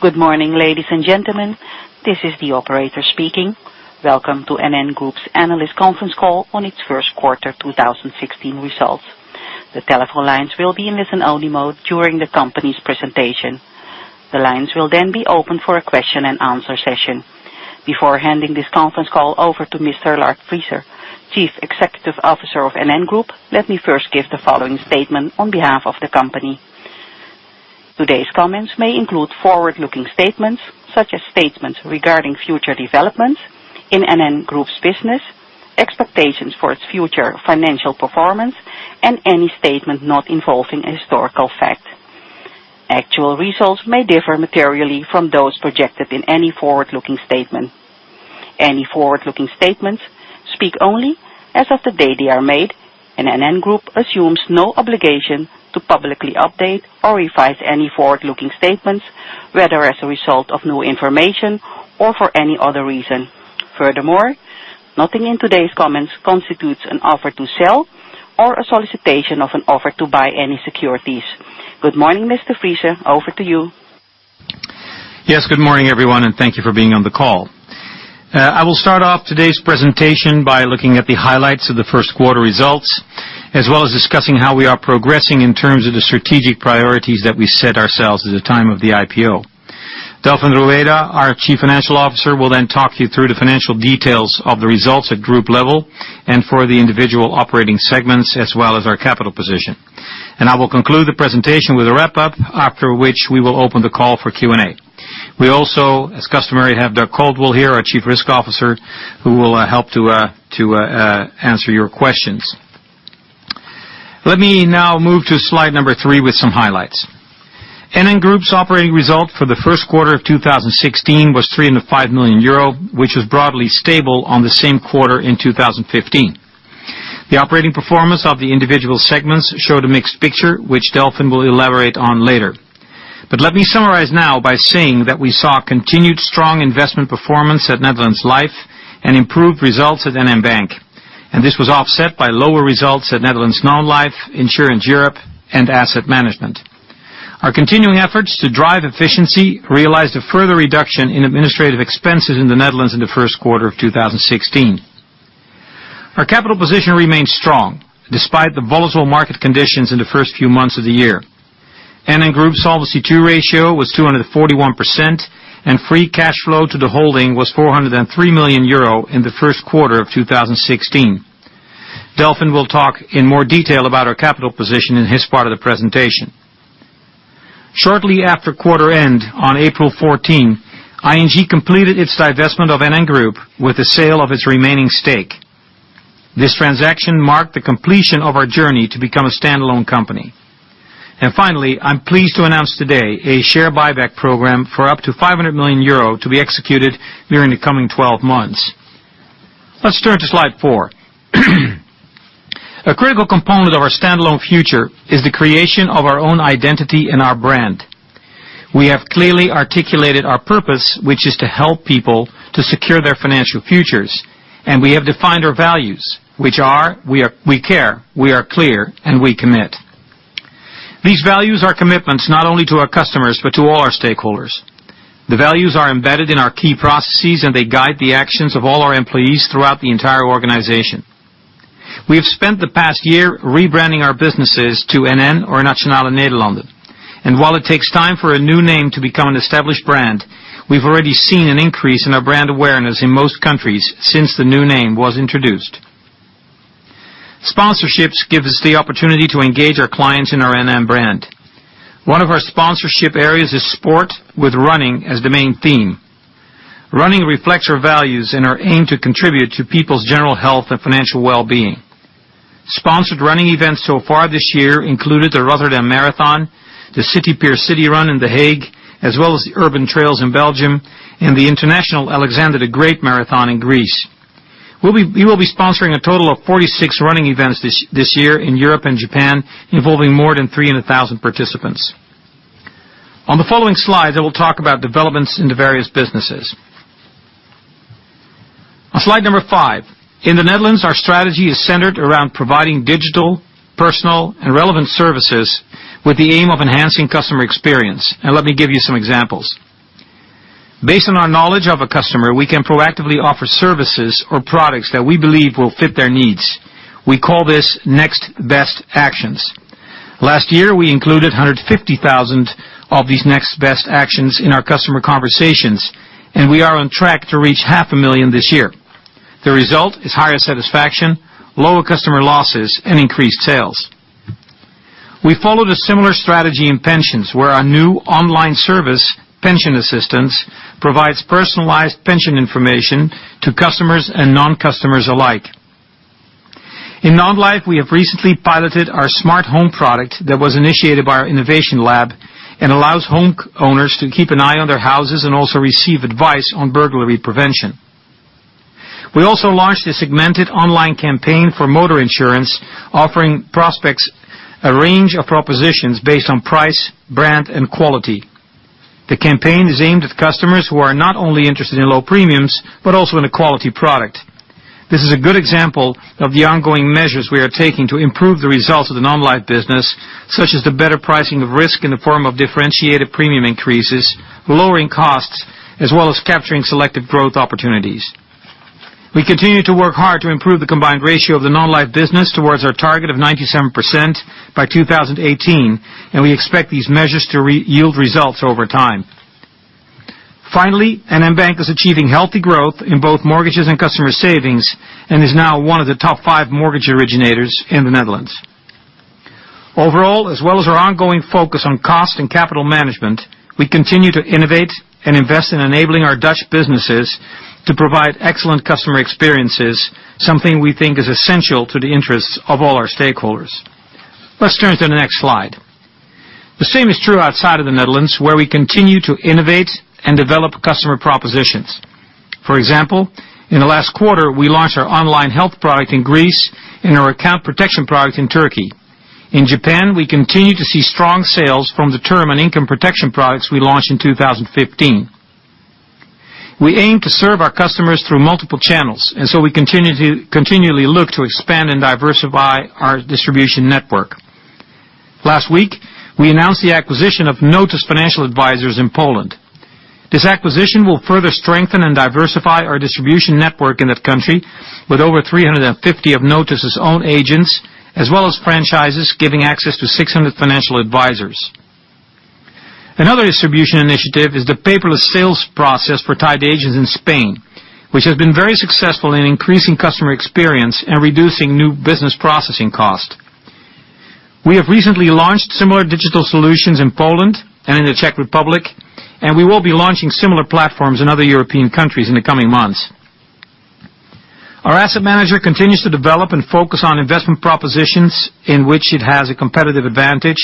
Good morning, ladies and gentlemen. This is the operator speaking. Welcome to NN Group's analyst conference call on its first quarter 2016 results. The telephone lines will be in listen-only mode during the company's presentation. The lines will then be open for a question and answer session. Before handing this conference call over to Mr. Lard Friese, Chief Executive Officer of NN Group, let me first give the following statement on behalf of the company. Today's comments may include forward-looking statements, such as statements regarding future developments in NN Group's business, expectations for its future financial performance, and any statement not involving a historical fact. Actual results may differ materially from those projected in any forward-looking statement. Any forward-looking statements speak only as of the day they are made, NN Group assumes no obligation to publicly update or revise any forward-looking statements, whether as a result of new information or for any other reason. Furthermore, nothing in today's comments constitutes an offer to sell or a solicitation of an offer to buy any securities. Good morning, Mr. Friese. Over to you. Good morning, everyone, thank you for being on the call. I will start off today's presentation by looking at the highlights of the first quarter results, as well as discussing how we are progressing in terms of the strategic priorities that we set ourselves at the time of the IPO. Delfin Rueda, our Chief Financial Officer, will talk you through the financial details of the results at group level and for the individual operating segments, as well as our capital position. I will conclude the presentation with a wrap-up, after which we will open the call for Q&A. We also, as customary, have Doug Caldwell here, our Chief Risk Officer, who will help to answer your questions. Let me now move to slide number three with some highlights. NN Group's operating result for the first quarter of 2016 was 305 million euro, which was broadly stable on the same quarter in 2015. The operating performance of the individual segments showed a mixed picture, which Delfin will elaborate on later. Let me summarize now by saying that we saw continued strong investment performance at Netherlands Life and improved results at NN Bank, and this was offset by lower results at Netherlands Non-life, Insurance Europe, and Asset Management. Our continuing efforts to drive efficiency realized a further reduction in administrative expenses in the Netherlands in the first quarter of 2016. Our capital position remains strong despite the volatile market conditions in the first few months of the year. NN Group Solvency II ratio was 241%, free cash flow to the holding was 403 million euro in the first quarter of 2016. Delfin Rueda will talk in more detail about our capital position in his part of the presentation. Shortly after quarter end on April 14, ING completed its divestment of NN Group with the sale of its remaining stake. This transaction marked the completion of our journey to become a standalone company. Finally, I'm pleased to announce today a share buyback program for up to 500 million euro to be executed during the coming 12 months. Let's turn to slide four. A critical component of our standalone future is the creation of our own identity and our brand. We have clearly articulated our purpose, which is to help people to secure their financial futures, and we have defined our values, which are we care, we are clear, and we commit. These values are commitments not only to our customers but to all our stakeholders. The values are embedded in our key processes, and they guide the actions of all our employees throughout the entire organization. We have spent the past year rebranding our businesses to NN or Nationale-Nederlanden, and while it takes time for a new name to become an established brand, we've already seen an increase in our brand awareness in most countries since the new name was introduced. Sponsorships gives us the opportunity to engage our clients in our NN brand. One of our sponsorship areas is sport with running as the main theme. Running reflects our values and our aim to contribute to people's general health and financial well-being. Sponsored running events so far this year included the Rotterdam Marathon, the City Pier City Run in The Hague, as well as the Urban Trails in Belgium and the International Alexander the Great Marathon in Greece. We will be sponsoring a total of 46 running events this year in Europe and Japan, involving more than 300,000 participants. On the following slide, I will talk about developments in the various businesses. On slide number five. In the Netherlands, our strategy is centered around providing digital, personal, and relevant services with the aim of enhancing customer experience. Now, let me give you some examples. Based on our knowledge of a customer, we can proactively offer services or products that we believe will fit their needs. We call this next best actions. Last year, we included 150,000 of these next best actions in our customer conversations, and we are on track to reach half a million this year. The result is higher satisfaction, lower customer losses, and increased sales. We followed a similar strategy in pensions, where our new online service, Pension Assistance, provides personalized pension information to customers and non-customers alike. In Non-Life, we have recently piloted our smart home product that was initiated by our innovation lab and allows homeowners to keep an eye on their houses and also receive advice on burglary prevention. We also launched a segmented online campaign for motor insurance, offering prospects a range of propositions based on price, brand, and quality. The campaign is aimed at customers who are not only interested in low premiums but also in a quality product. This is a good example of the ongoing measures we are taking to improve the results of the non-life business, such as the better pricing of risk in the form of differentiated premium increases, lowering costs, as well as capturing selective growth opportunities. We continue to work hard to improve the combined ratio of the non-life business towards our target of 97% by 2018, and we expect these measures to yield results over time. Finally, NN Bank is achieving healthy growth in both mortgages and customer savings and is now one of the top five mortgage originators in the Netherlands. Overall, as well as our ongoing focus on cost and capital management, we continue to innovate and invest in enabling our Dutch businesses to provide excellent customer experiences, something we think is essential to the interests of all our stakeholders. Let's turn to the next slide. The same is true outside of the Netherlands, where we continue to innovate and develop customer propositions. For example, in the last quarter, we launched our online health product in Greece and our account protection product in Turkey. In Japan, we continue to see strong sales from the term and income protection products we launched in 2015. We aim to serve our customers through multiple channels, so we continually look to expand and diversify our distribution network. Last week, we announced the acquisition of Notus Financial Advisors in Poland. This acquisition will further strengthen and diversify our distribution network in that country with over 350 of Notus' own agents, as well as franchises, giving access to 600 financial advisors. Another distribution initiative is the paperless sales process for tied agents in Spain, which has been very successful in increasing customer experience and reducing new business processing cost. We have recently launched similar digital solutions in Poland and in the Czech Republic, and we will be launching similar platforms in other European countries in the coming months. Our asset manager continues to develop and focus on investment propositions in which it has a competitive advantage,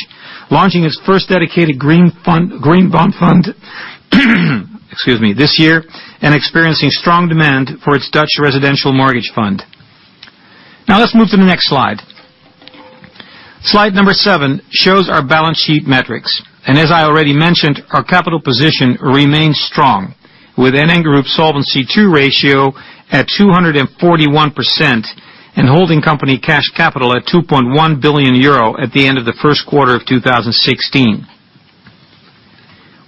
launching its first dedicated green bond fund this year and experiencing strong demand for its Dutch residential mortgage fund. Let's move to the next slide. Slide number seven shows our balance sheet metrics. As I already mentioned, our capital position remains strong with NN Group Solvency II ratio at 241% and holding company cash capital at 2.1 billion euro at the end of the first quarter of 2016.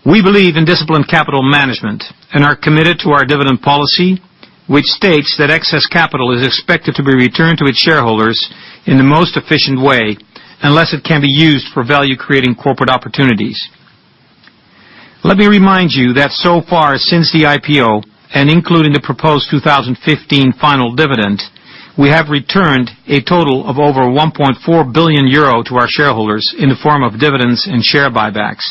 We believe in disciplined capital management and are committed to our dividend policy, which states that excess capital is expected to be returned to its shareholders in the most efficient way, unless it can be used for value-creating corporate opportunities. Let me remind you that so far since the IPO and including the proposed 2015 final dividend, we have returned a total of over 1.4 billion euro to our shareholders in the form of dividends and share buybacks.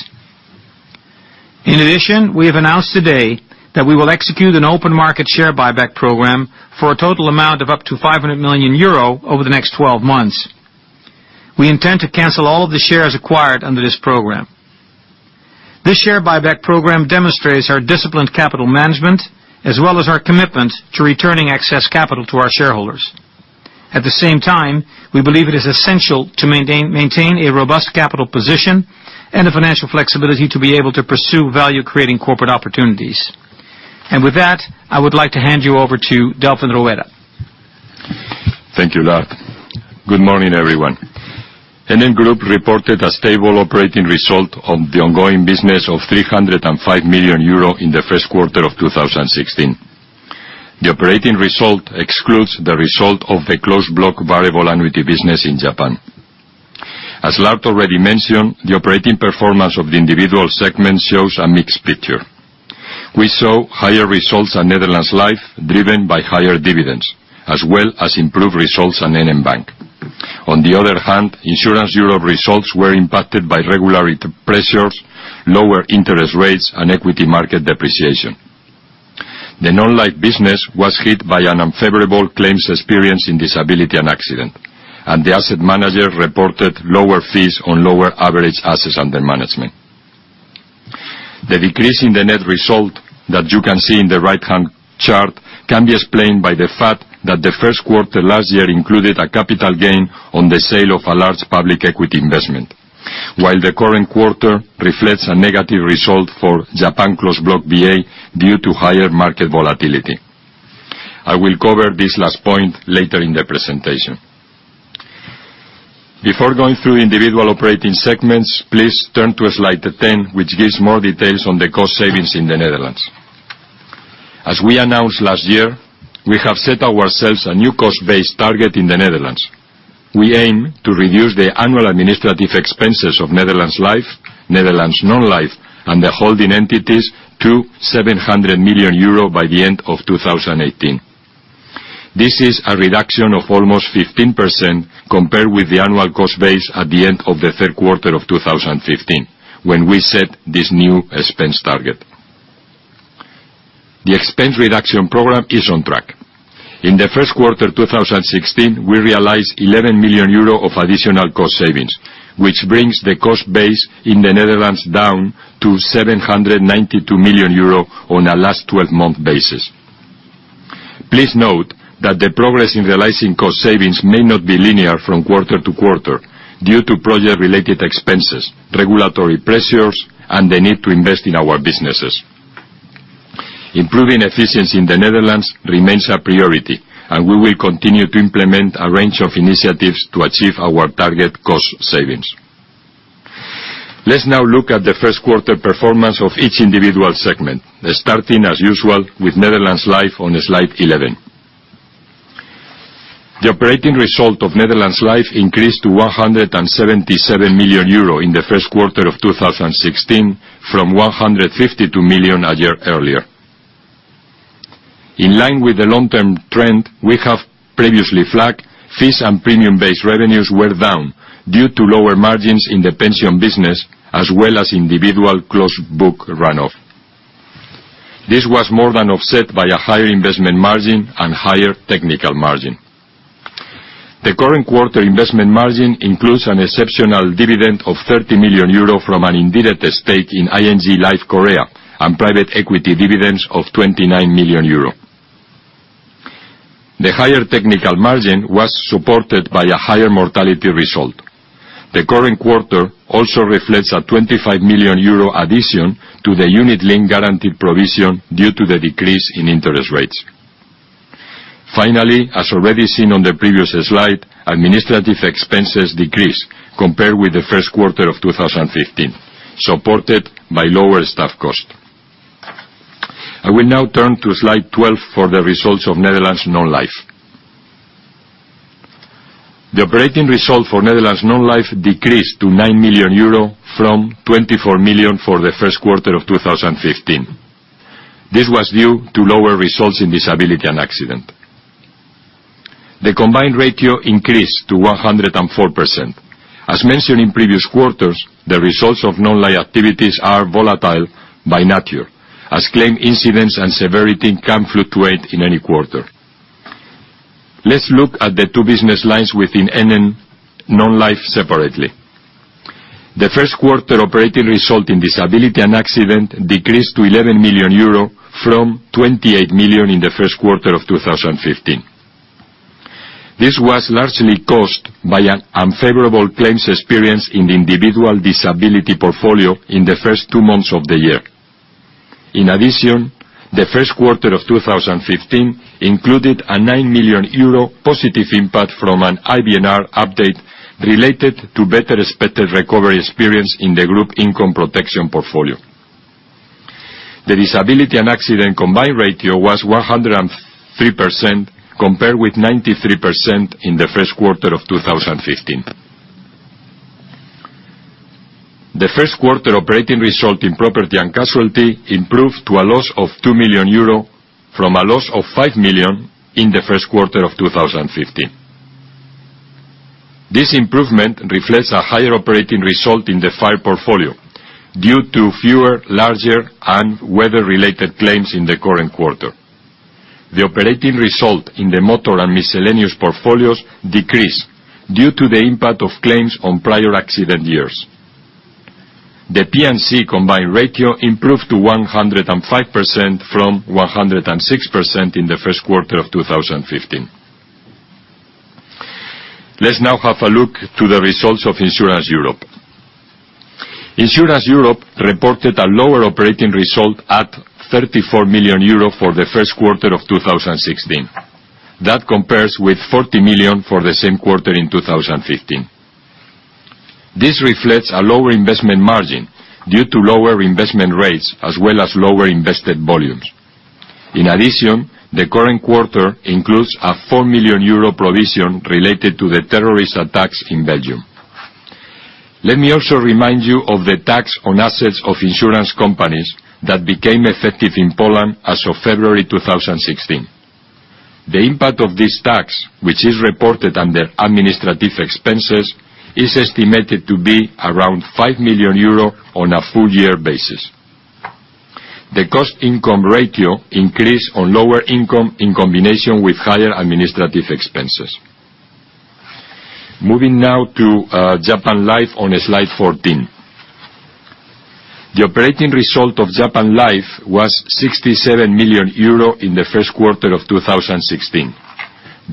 In addition, we have announced today that we will execute an open market share buyback program for a total amount of up to 500 million euro over the next 12 months. We intend to cancel all of the shares acquired under this program. This share buyback program demonstrates our disciplined capital management as well as our commitment to returning excess capital to our shareholders. At the same time, we believe it is essential to maintain a robust capital position and the financial flexibility to be able to pursue value-creating corporate opportunities. With that, I would like to hand you over to Delfin Rueda. Thank you, Lard. Good morning, everyone. NN Group reported a stable operating result on the ongoing business of 305 million euro in the first quarter of 2016. The operating result excludes the result of the closed block variable annuity business in Japan. As Lard already mentioned, the operating performance of the individual segment shows a mixed picture. We saw higher results at Netherlands Life, driven by higher dividends, as well as improved results at NN Bank. On the other hand, Insurance Europe results were impacted by regulatory pressures, lower interest rates, and equity market depreciation. The non-life business was hit by an unfavorable claims experience in disability and accident, and the asset manager reported lower fees on lower average assets under management. The decrease in the net result that you can see in the right-hand chart can be explained by the fact that the first quarter last year included a capital gain on the sale of a large public equity investment. The current quarter reflects a negative result for Japan Closed Block VA due to higher market volatility. I will cover this last point later in the presentation. Before going through individual operating segments, please turn to slide 10, which gives more details on the cost savings in the Netherlands. As we announced last year, we have set ourselves a new cost-based target in the Netherlands. We aim to reduce the annual administrative expenses of Netherlands Life, Netherlands Non-life, and the holding entities to 700 million euro by the end of 2018. This is a reduction of almost 15% compared with the annual cost base at the end of the third quarter of 2015, when we set this new expense target. The expense reduction program is on track. In the first quarter 2016, we realized 11 million euro of additional cost savings, which brings the cost base in the Netherlands down to 792 million euro on a last 12-month basis. Please note that the progress in realizing cost savings may not be linear from quarter to quarter. Due to project-related expenses, regulatory pressures, and the need to invest in our businesses. Improving efficiency in the Netherlands remains a priority, and we will continue to implement a range of initiatives to achieve our target cost savings. Let's now look at the first quarter performance of each individual segment, starting, as usual, with Netherlands Life on slide 11. The operating result of Netherlands Life increased to 177 million euro in the first quarter of 2016 from 152 million a year earlier. In line with the long-term trend we have previously flagged, fees and premium-based revenues were down due to lower margins in the pension business as well as individual closed book run-off. This was more than offset by a higher investment margin and higher technical margin. The current quarter investment margin includes an exceptional dividend of 30 million euro from an indirect stake in ING Life Korea and private equity dividends of 29 million euro. The higher technical margin was supported by a higher mortality result. The current quarter also reflects a 25 million euro addition to the unit-linked guaranteed provision due to the decrease in interest rates. Finally, as already seen on the previous slide, administrative expenses decreased compared with the first quarter of 2015, supported by lower staff cost. I will now turn to slide 12 for the results of Netherlands Non-life. The operating result for Netherlands Non-life decreased to 9 million euro from 24 million for the first quarter of 2015. This was due to lower results in disability and accident. The combined ratio increased to 104%. As mentioned in previous quarters, the results of non-life activities are volatile by nature, as claim incidents and severity can fluctuate in any quarter. Let's look at the two business lines within NN Non-life separately. The first quarter operating result in disability and accident decreased to 11 million euro from 28 million in the first quarter of 2015. This was largely caused by an unfavorable claims experience in the individual disability portfolio in the first two months of the year. In addition, the first quarter of 2015 included a 9 million euro positive impact from an IBNR update related to better-expected recovery experience in the group income protection portfolio. The disability and accident combined ratio was 103%, compared with 93% in the first quarter of 2015. The first quarter operating result in property and casualty improved to a loss of 2 million euro from a loss of 5 million in the first quarter of 2015. This improvement reflects a higher operating result in the fire portfolio due to fewer larger and weather-related claims in the current quarter. The operating result in the motor and miscellaneous portfolios decreased due to the impact of claims on prior accident years. The P&C combined ratio improved to 105% from 106% in the first quarter of 2015. Let's now have a look to the results of Insurance Europe. Insurance Europe reported a lower operating result at 34 million euro for the first quarter of 2016. That compares with 40 million for the same quarter in 2015. This reflects a lower investment margin due to lower investment rates as well as lower invested volumes. In addition, the current quarter includes a 4 million euro provision related to the terrorist attacks in Belgium. Let me also remind you of the tax on assets of insurance companies that became effective in Poland as of February 2016. The impact of this tax, which is reported under administrative expenses, is estimated to be around 5 million euro on a full year basis. The cost income ratio increased on lower income in combination with higher administrative expenses. Moving now to Japan Life on slide 14. The operating result of Japan Life was 67 million euro in the first quarter of 2016,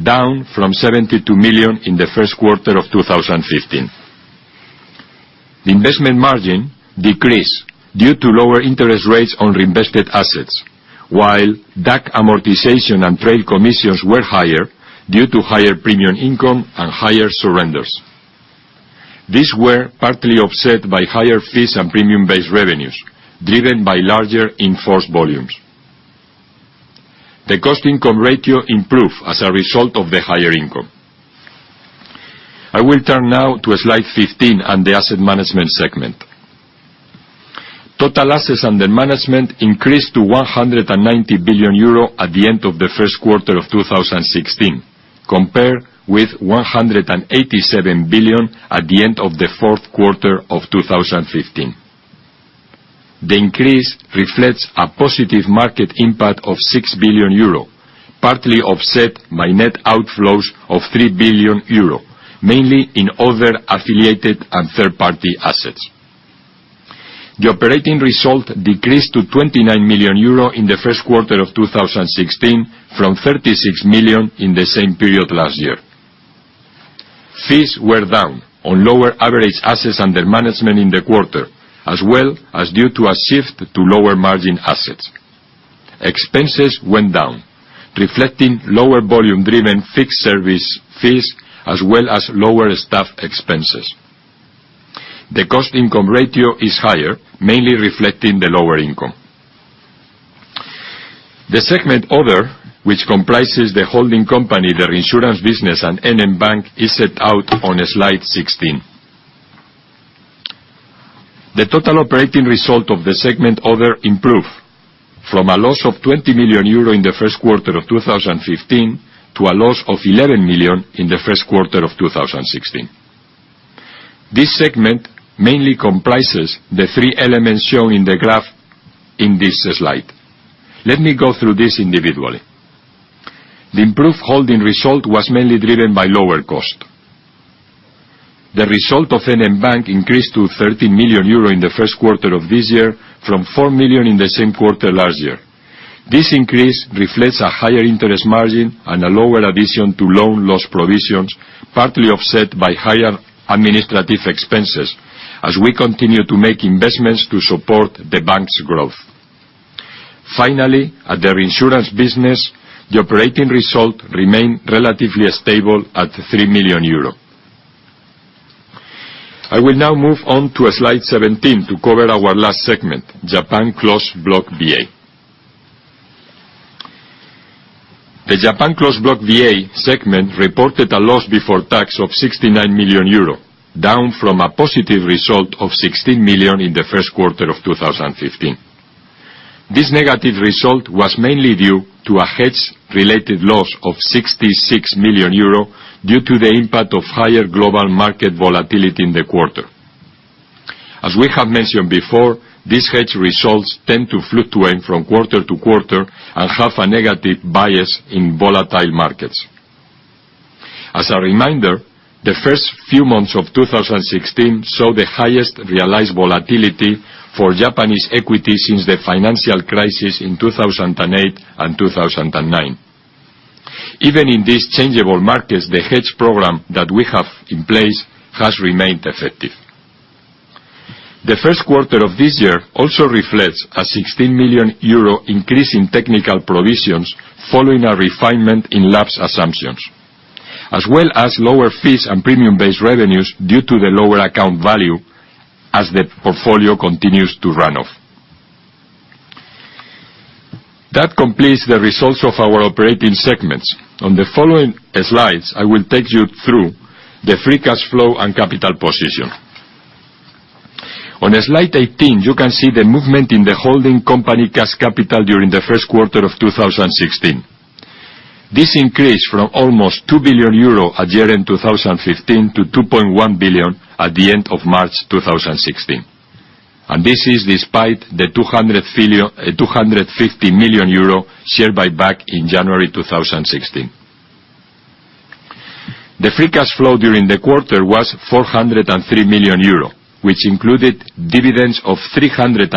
down from 72 million in the first quarter of 2015. The investment margin decreased due to lower interest rates on reinvested assets. While DAC amortization and trade commissions were higher due to higher premium income and higher surrenders. These were partly offset by higher fees and premium-based revenues, driven by larger in-force volumes. The cost income ratio improved as a result of the higher income. I will turn now to slide 15 on the asset management segment. Total assets under management increased to 190 billion euro at the end of the first quarter of 2016, compared with 187 billion at the end of the fourth quarter of 2015. The increase reflects a positive market impact of 6 billion euro, partly offset by net outflows of 3 billion euro, mainly in other affiliated and third-party assets. The operating result decreased to 29 million euro in the first quarter of 2016 from 36 million in the same period last year. Fees were down on lower average assets under management in the quarter, as well as due to a shift to lower margin assets. Expenses went down, reflecting lower volume driven fixed service fees, as well as lower staff expenses. The cost income ratio is higher, mainly reflecting the lower income. The segment other, which comprises the holding company, the reinsurance business, and NN Bank, is set out on slide 16. The total operating result of the segment other improved from a loss of 20 million euro in the first quarter of 2015 to a loss of 11 million in the first quarter of 2016. This segment mainly comprises the three elements shown in the graph in this slide. Let me go through this individually. The improved holding result was mainly driven by lower cost. The result of NN Bank increased to 30 million euro in the first quarter of this year from 4 million in the same quarter last year. This increase reflects a higher interest margin and a lower addition to loan loss provisions, partly offset by higher administrative expenses as we continue to make investments to support the bank's growth. At the reinsurance business, the operating result remained relatively stable at 3 million euro. I will now move on to slide 17 to cover our last segment, Japan Closed Block VA. The Japan Closed Block VA segment reported a loss before tax of 69 million euro, down from a positive result of 16 million in the first quarter of 2015. This negative result was mainly due to a hedge related loss of 66 million euro due to the impact of higher global market volatility in the quarter. As we have mentioned before, these hedge results tend to fluctuate from quarter to quarter and have a negative bias in volatile markets. As a reminder, the first few months of 2016 saw the highest realized volatility for Japanese equities since the financial crisis in 2008 and 2009. Even in these changeable markets, the hedge program that we have in place has remained effective. The first quarter of this year also reflects a 16 million euro increase in technical provisions following a refinement in lapse assumptions, as well as lower fees and premium-based revenues due to the lower account value as the portfolio continues to run off. That completes the results of our operating segments. On the following slides, I will take you through the free cash flow and capital position. On slide 18, you can see the movement in the holding company cash capital during the first quarter of 2016. This increased from almost 2 billion euro at year-end 2015 to 2.1 billion at the end of March 2016. This is despite the 250 million euro share buyback in January 2016. The free cash flow during the quarter was 403 million euro, which included dividends of 390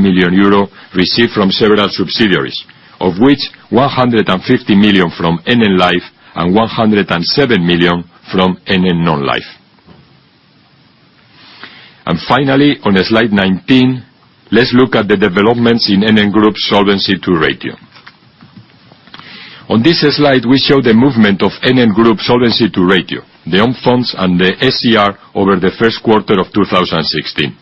million euro received from several subsidiaries, of which 150 million from NN Life and 107 million from NN Non-Life. Finally, on slide 19, let's look at the developments in NN Group Solvency II ratio. On this slide, we show the movement of NN Group Solvency II ratio, the own funds, and the SCR over the first quarter of 2016.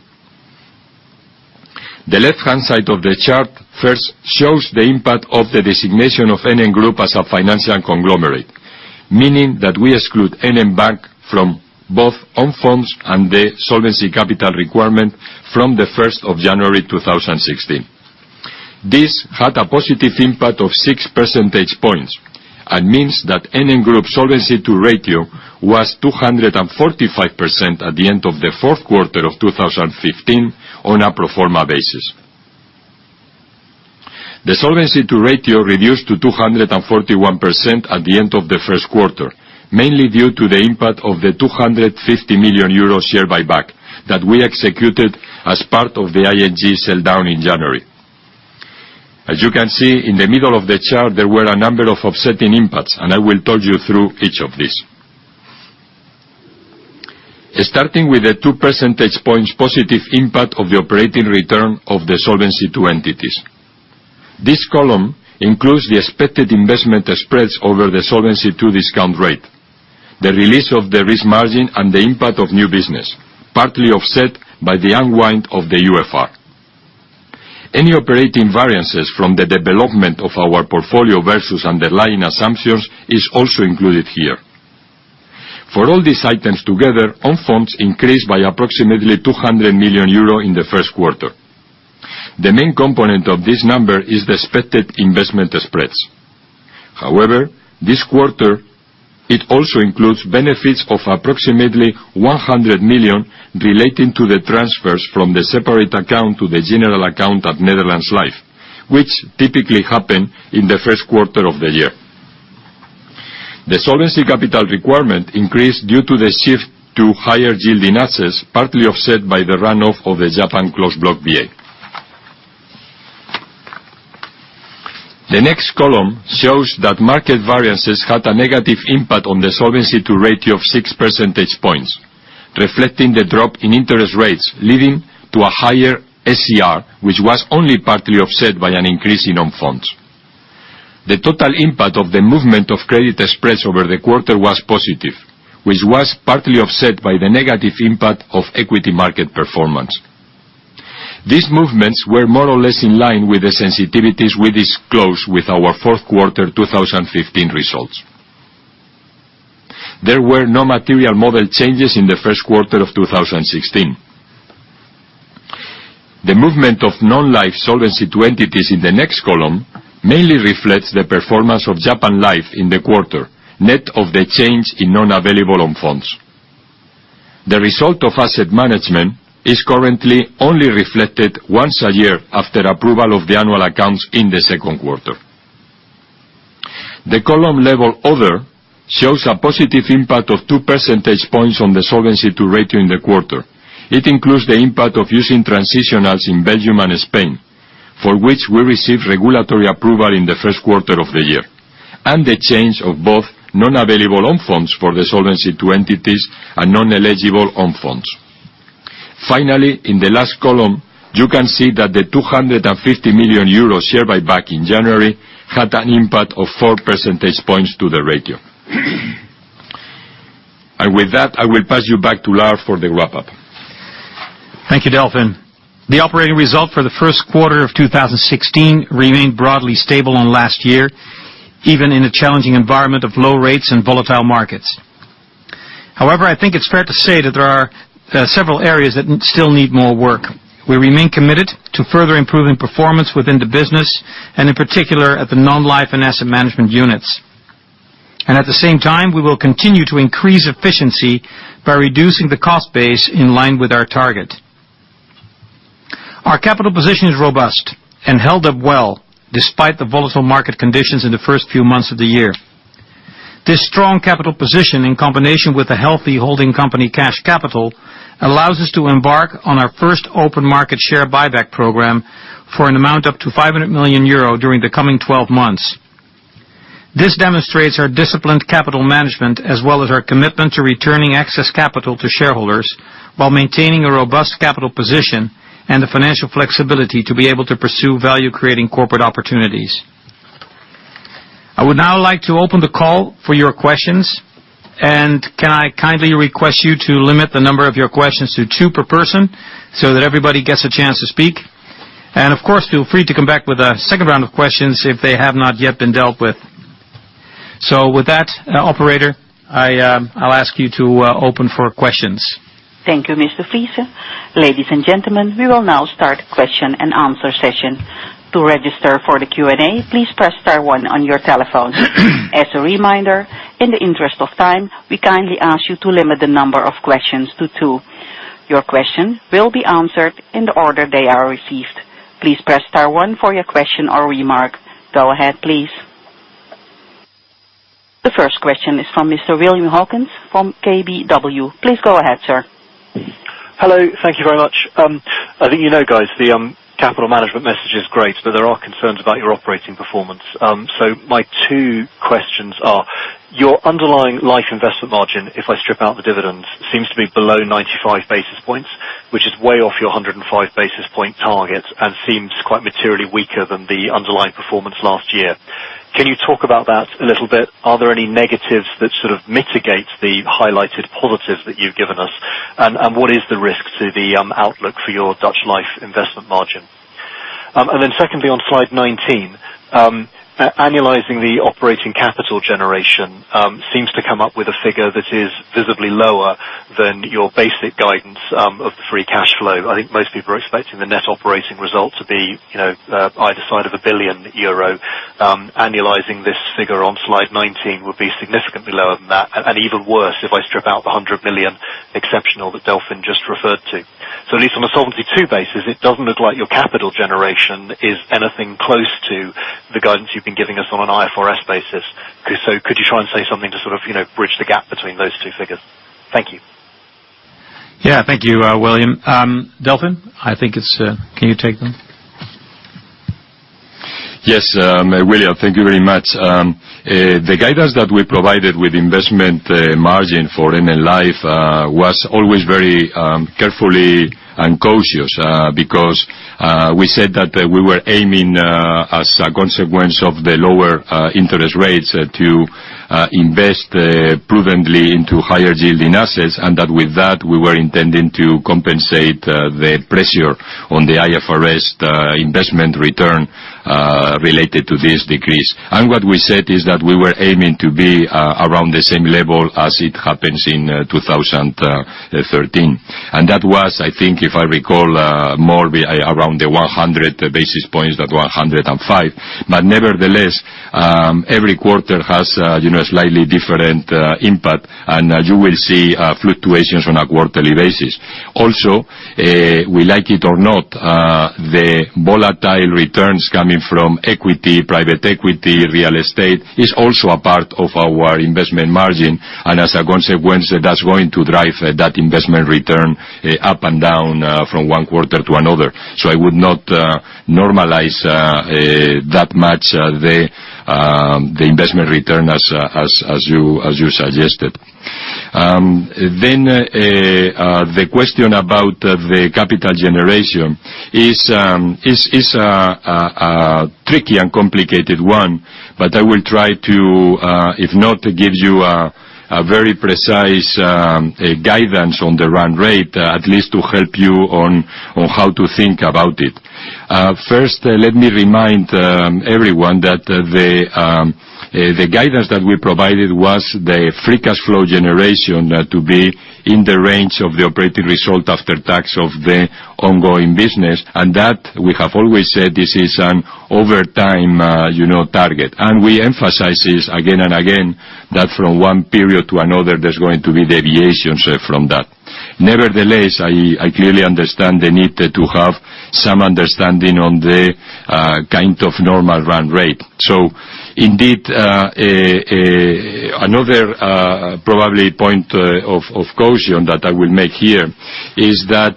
The left-hand side of the chart first shows the impact of the designation of NN Group as a financial conglomerate, meaning that we exclude NN Bank from both own funds and the Solvency Capital Requirement from the 1st of January 2016. This had a positive impact of six percentage points and means that NN Group Solvency II ratio was 245% at the end of the fourth quarter of 2015 on a pro forma basis. The Solvency II ratio reduced to 241% at the end of the first quarter, mainly due to the impact of the 250 million euro share buyback that we executed as part of the ING sell down in January. As you can see, in the middle of the chart, there were a number of offsetting impacts, and I will talk you through each of these. Starting with the two percentage points positive impact of the operating return of the Solvency II entities. This column includes the expected investment spreads over the Solvency II discount rate, the release of the risk margin, and the impact of new business, partly offset by the unwind of the UFR. Any operating variances from the development of our portfolio versus underlying assumptions is also included here. For all these items together, own funds increased by approximately 200 million euro in the first quarter. The main component of this number is the expected investment spreads. However, this quarter, it also includes benefits of approximately 100 million relating to the transfers from the separate account to the general account at Netherlands Life, which typically happen in the first quarter of the year. The Solvency Capital Requirement increased due to the shift to higher yielding assets, partly offset by the run-off of the Japan Closed Block VA. The next column shows that market variances had a negative impact on the Solvency II ratio of six percentage points, reflecting the drop in interest rates, leading to a higher SCR, which was only partly offset by an increase in own funds. The total impact of the movement of credit spreads over the quarter was positive, which was partly offset by the negative impact of equity market performance. These movements were more or less in line with the sensitivities we disclosed with our fourth quarter 2015 results. There were no material model changes in the first quarter of 2016. The movement of non-life Solvency II entities in the next column mainly reflects the performance of Japan Life in the quarter, net of the change in non-available own funds. The result of asset management is currently only reflected once a year after approval of the annual accounts in the second quarter. The column level other shows a positive impact of two percentage points on the Solvency II ratio in the quarter. It includes the impact of using transitionals in Belgium and Spain, for which we received regulatory approval in the first quarter of the year, and the change of both non-available own funds for the Solvency II entities and non-eligible own funds. Finally, in the last column, you can see that the 250 million euros share buyback in January had an impact of four percentage points to the ratio. With that, I will pass you back to Lard for the wrap-up. Thank you, Delfin. The operating result for the first quarter of 2016 remained broadly stable on last year, even in a challenging environment of low rates and volatile markets. I think it's fair to say that there are several areas that still need more work. We remain committed to further improving performance within the business, in particular at the non-life and asset management units. At the same time, we will continue to increase efficiency by reducing the cost base in line with our target. Our capital position is robust and held up well despite the volatile market conditions in the first few months of the year. This strong capital position, in combination with the healthy holding company cash capital, allows us to embark on our first open market share buyback program for an amount up to 500 million euro during the coming 12 months. This demonstrates our disciplined capital management as well as our commitment to returning excess capital to shareholders while maintaining a robust capital position and the financial flexibility to be able to pursue value-creating corporate opportunities. I would now like to open the call for your questions. Can I kindly request you to limit the number of your questions to two per person so that everybody gets a chance to speak? Of course, feel free to come back with a second round of questions if they have not yet been dealt with. With that, operator, I'll ask you to open for questions. Thank you, Mr. Friese. Ladies and gentlemen, we will now start question and answer session. To register for the Q&A, please press star one on your telephones. As a reminder, in the interest of time, we kindly ask you to limit the number of questions to two. Your question will be answered in the order they are received. Please press star one for your question or remark. Go ahead, please. The first question is from Mr. William Hawkins from KBW. Please go ahead, sir. Hello. Thank you very much. I think you know, guys, the capital management message is great, but there are concerns about your operating performance. My two questions are: Your underlying life investment margin, if I strip out the dividends, seems to be below 95 basis points, which is way off your 105 basis point target and seems quite materially weaker than the underlying performance last year. Can you talk about that a little bit? Are there any negatives that sort of mitigate the highlighted positives that you've given us? What is the risk to the outlook for your Dutch Life investment margin? Secondly, on slide 19, annualizing the operating capital generation seems to come up with a figure that is visibly lower than your basic guidance of the free cash flow. I think most people are expecting the net operating result to be either side of 1 billion euro. Annualizing this figure on slide 19 would be significantly lower than that, and even worse if I strip out the 100 million exceptional that Delfin just referred to. At least on a Solvency II basis, it doesn't look like your capital generation is anything close to the guidance you've been giving us on an IFRS basis. Could you try and say something to sort of bridge the gap between those two figures? Thank you. Thank you, William. Delfin, can you take them? Yes. William, thank you very much. The guidance that we provided with investment margin for NN Life, was always very carefully and cautious, because we said that we were aiming, as a consequence of the lower interest rates, to invest prudently into higher yielding assets, and that with that, we were intending to compensate the pressure on the IFRS investment return related to this decrease. What we said is that we were aiming to be around the same level as it happens in 2013. That was, I think if I recall, more around the 100 basis points than 105. Nevertheless, every quarter has a slightly different impact, and you will see fluctuations on a quarterly basis. Also, we like it or not, the volatile returns coming from equity, private equity, real estate is also a part of our investment margin. As a consequence, that is going to drive that investment return up and down from one quarter to another. I would not normalize that much the investment return as you suggested. The question about the capital generation is a tricky and complicated one, but I will try to, if not give you a very precise guidance on the run rate, at least to help you on how to think about it. First, let me remind everyone that the guidance that we provided was the free cash flow generation to be in the range of the operating result after tax of the ongoing business. That we have always said this is an over time target. We emphasize this again and again, that from one period to another, there is going to be deviations from that. Nevertheless, I clearly understand the need to have some understanding on the kind of normal run rate. Indeed, another probably point of caution that I will make here is that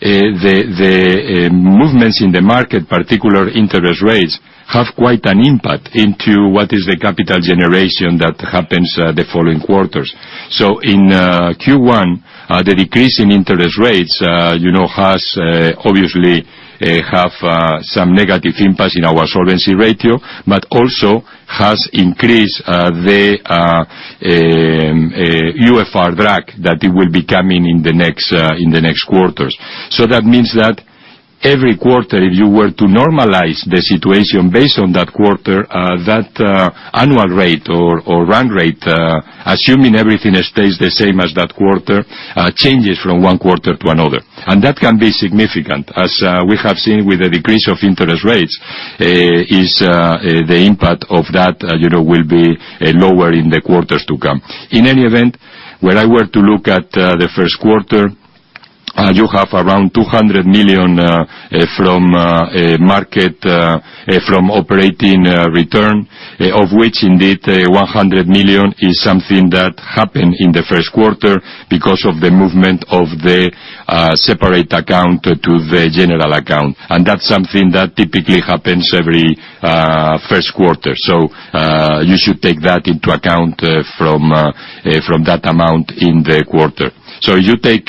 the movements in the market, particularly interest rates, have quite an impact into what is the capital generation that happens the following quarters. In Q1, the decrease in interest rates obviously have some negative impacts in our solvency ratio, but also has increased the UFR drag that it will be coming in the next quarters. That means that every quarter, if you were to normalize the situation based on that quarter, that annual rate or run rate, assuming everything stays the same as that quarter, changes from one quarter to another. That can be significant, as we have seen with the decrease of interest rates, is the impact of that will be lower in the quarters to come. In any event, when I were to look at the first quarter, you have around 200 million from operating return, of which indeed 100 million is something that happened in the first quarter because of the movement of the separate account to the general account. That is something that typically happens every first quarter. You should take that into account from that amount in the quarter. You take,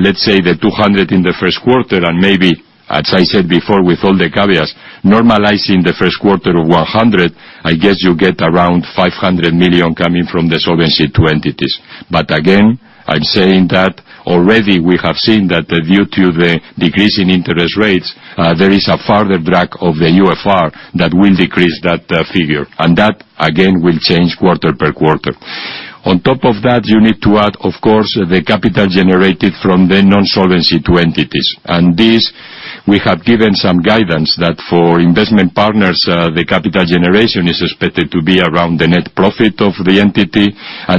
let's say the 200 in the first quarter, and maybe, as I said before, with all the caveats, normalizing the first quarter of 100, I guess you get around 500 million coming from the Solvency II entities. Again, I am saying that already we have seen that due to the decrease in interest rates, there is a further drag of the UFR that will decrease that figure. That, again, will change quarter per quarter. On top of that, you need to add, of course, the capital generated from the non-Solvency II entities. This, we have given some guidance that for investment partners, the capital generation is expected to be around the net profit of the entity.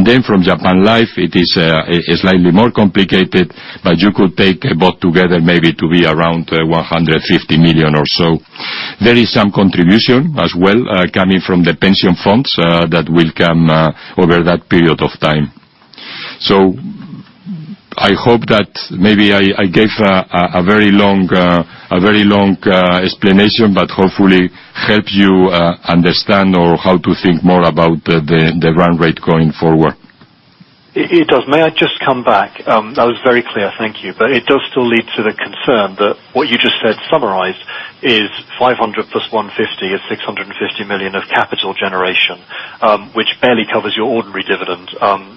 Then from Japan Life, it is slightly more complicated, but you could take both together maybe to be around 150 million or so. There is some contribution as well coming from the pension funds that will come over that period of time. I hope that maybe I gave a very long explanation, but hopefully helps you understand or how to think more about the run rate going forward. It does. May I just come back? That was very clear. Thank you. It does still lead to the concern that what you just said summarized is 500 plus 150 is 650 million of capital generation, which barely covers your ordinary dividend,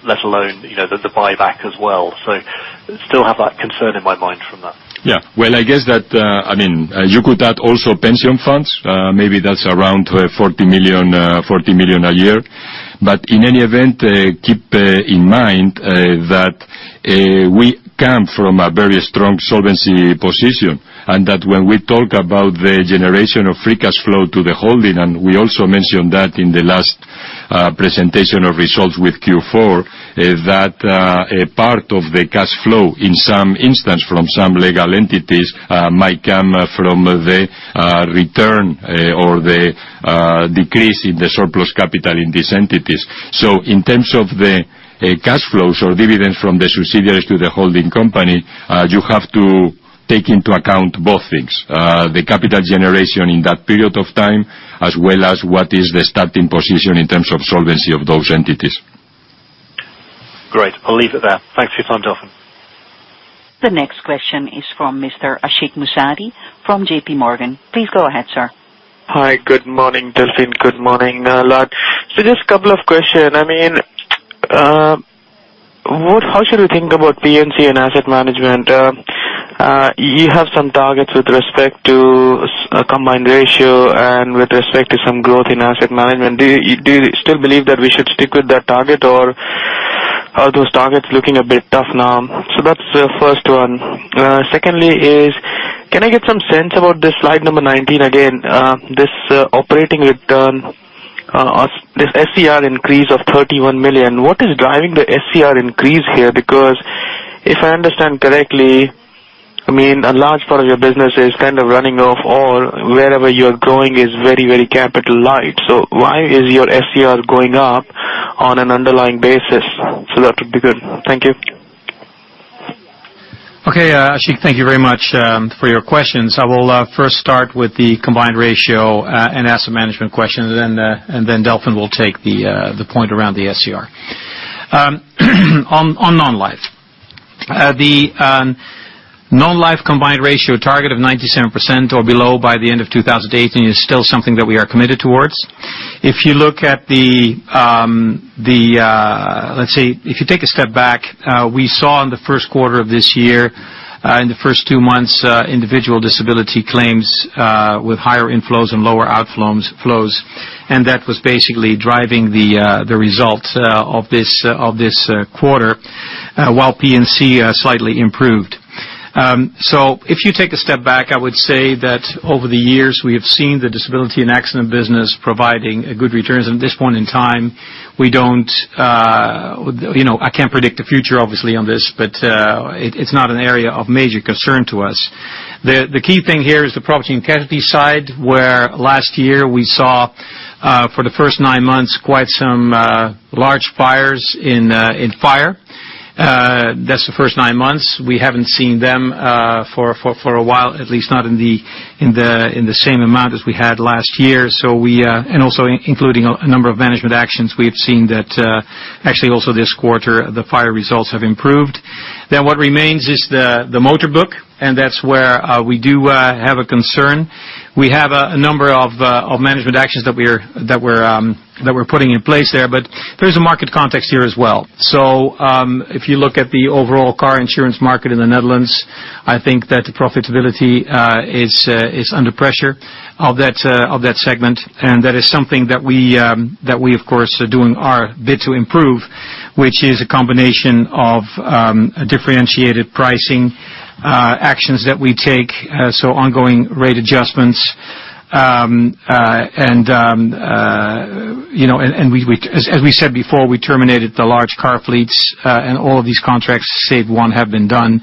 let alone the buyback as well. Still have that concern in my mind from that. Well, I guess that you could add also pension funds. Maybe that's around 40 million a year. In any event, keep in mind that we come from a very strong solvency position, and that when we talk about the generation of free cash flow to the holding, and we also mentioned that in the last presentation of results with Q4, that a part of the cash flow in some instance from some legal entities, might come from the return or the decrease in the surplus capital in these entities. In terms of the cash flows or dividends from the subsidiaries to the holding company, you have to take into account both things, the capital generation in that period of time, as well as what is the starting position in terms of solvency of those entities. Great. I'll leave it there. Thanks for your time, Delfin. The next question is from Mr. Ashik Musaddi from J.P. Morgan. Please go ahead, sir. Hi. Good morning, Delfin. Good morning, Lard. Just a couple of question. How should we think about P&C and asset management? You have some targets with respect to a combined ratio and with respect to some growth in asset management. Do you still believe that we should stick with that target, or are those targets looking a bit tough now? That's the first one. Secondly is, can I get some sense about this slide number 19 again, this operating return or this SCR increase of 31 million. What is driving the SCR increase here? Because if I understand correctly, a large part of your business is kind of running off or wherever you're growing is very capital light. Why is your SCR going up on an underlying basis? That would be good. Thank you. Okay, Ashik, thank you very much for your questions. I will first start with the combined ratio and asset management questions, and Delfin will take the point around the SCR. On non-life. The non-life combined ratio target of 97% or below by the end of 2018 is still something that we are committed towards. If you take a step back, we saw in the first quarter of this year, in the first two months, individual disability claims with higher inflows and lower outflows, and that was basically driving the result of this quarter, while P&C slightly improved. If you take a step back, I would say that over the years we have seen the disability and accident business providing good returns. At this point in time, I can't predict the future, obviously, on this, but it's not an area of major concern to us. The key thing here is the property and casualty side, where last year we saw, for the first nine months, quite some large fires in fire. That's the first nine months. We haven't seen them for a while, at least not in the same amount as we had last year. Also including a number of management actions, we have seen that actually also this quarter, the fire results have improved. What remains is the motor book, and that's where we do have a concern. We have a number of management actions that we're putting in place there. There's a market context here as well. If you look at the overall car insurance market in the Netherlands, I think that the profitability is under pressure of that segment, and that is something that we, of course, are doing our bit to improve, which is a combination of differentiated pricing actions that we take, so ongoing rate adjustments. As we said before, we terminated the large car fleets, and all of these contracts, save one, have been done.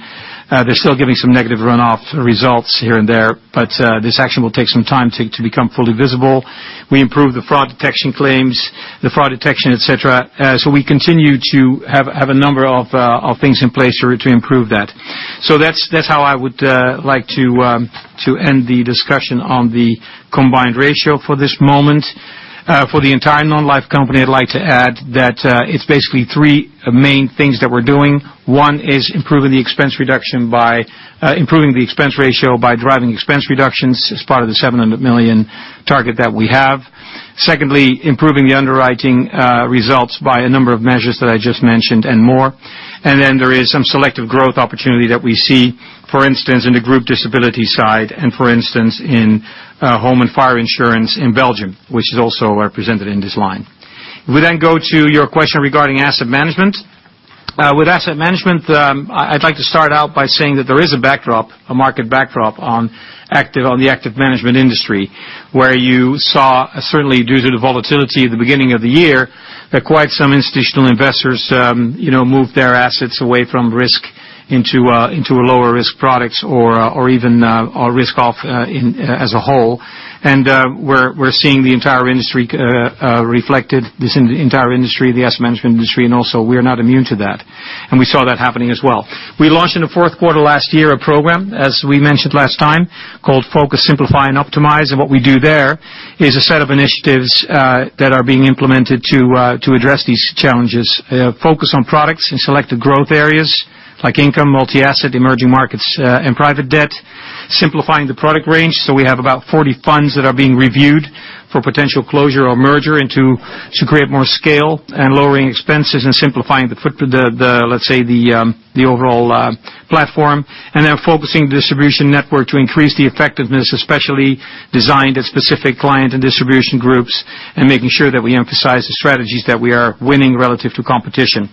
They're still giving some negative runoff results here and there, but this action will take some time to become fully visible. We improved the fraud detection claims, the fraud detection, et cetera. We continue to have a number of things in place to improve that. That's how I would like to end the discussion on the combined ratio for this moment. For the entire NN Non-life company, I'd like to add that it's basically three main things that we're doing. One is improving the expense ratio by driving expense reductions as part of the 700 million target that we have. Secondly, improving the underwriting results by a number of measures that I just mentioned and more. Then there is some selective growth opportunity that we see, for instance, in the group disability side and, for instance, in home and fire insurance in Belgium, which is also represented in this line. We go to your question regarding asset management. With asset management, I'd like to start out by saying that there is a market backdrop on the active management industry, where you saw, certainly due to the volatility at the beginning of the year, that quite some institutional investors moved their assets away from risk into lower-risk products or even risk-off as a whole. We're seeing the entire industry reflected, this entire industry, the asset management industry, and also we are not immune to that. We saw that happening as well. We launched in the fourth quarter last year a program, as we mentioned last time, called Focus, Simplify and Optimize. What we do there is a set of initiatives that are being implemented to address these challenges. Focus on products in selected growth areas like income, multi-asset, emerging markets, and private debt. Simplifying the product range. We have about 40 funds that are being reviewed for potential closure or merger to create more scale and lowering expenses and simplifying, let's say, the overall platform. Then focusing the distribution network to increase the effectiveness, especially designed at specific client and distribution groups, and making sure that we emphasize the strategies that we are winning relative to competition.